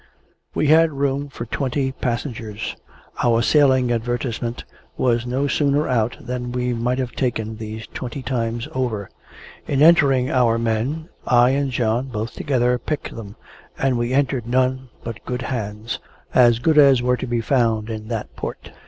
We had room for twenty passengers. Our sailing advertisement was no sooner out, than we might have taken these twenty times over. In entering our men, I and John (both together) picked them, and we entered none but good hands as good as were to be found in that port.